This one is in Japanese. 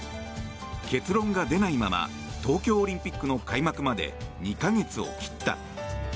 結論が出ないまま東京オリンピックの開幕まで２か月を切った。